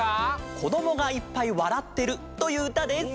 「こどもがいっぱいわらってる」といううたです。